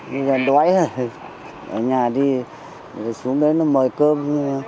nói đói ở nhà đi xuống đấy nó mời cơm